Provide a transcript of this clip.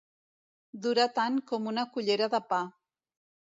Durar tant com una cullera de pa.